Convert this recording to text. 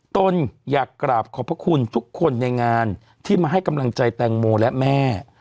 ตนอยากกราบขอบพระคุณทุกคนในงานที่มาให้กำลังใจแตงโมและแม่